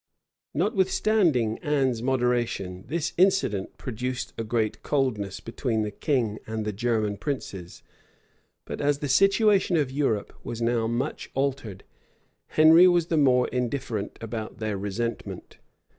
Notwithstanding Anne's moderation, this incident produced a great coldness between the king and the German princes; but as the situation of Europe was now much altered, Henry was the more indifferent about their resentment.